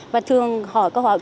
và thường hỏi câu hỏi